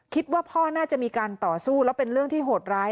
คิดว่าพ่อน่าจะมีการต่อสู้แล้วเป็นเรื่องที่โหดร้าย